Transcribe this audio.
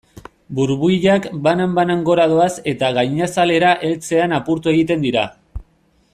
Burbuilak banan-banan gora doaz eta gainazalera heltzean apurtu egiten dira.